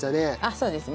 そうですね。